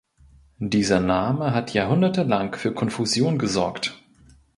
Dieser Name hat jahrhundertelang für Konfusion gesorgt.